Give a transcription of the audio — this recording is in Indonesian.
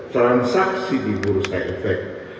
transaksi di bursa efek